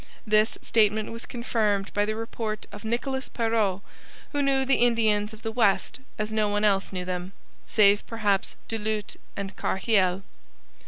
This statement was confirmed by the report of Nicolas Perrot, who knew the Indians of the West as no one else knew them save perhaps Du Lhut and Carheil.